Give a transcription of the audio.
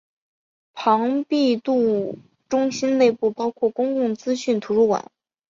庞毕度中心内部包括公共资讯图书馆。